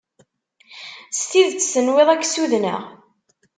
S tidet tenwiḍ ad k-ssudneɣ?